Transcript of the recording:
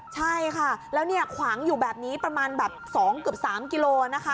ใช่ค่ะแล้วเนี่ยขวางอยู่แบบนี้ประมาณแบบ๒เกือบ๓กิโลนะคะ